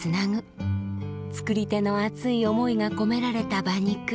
作り手の熱い思いが込められた馬肉。